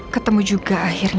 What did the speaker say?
ketemu juga akhirnya